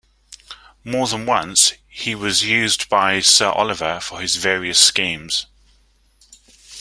More than once, he was used by Sir Oliver for his various schemes.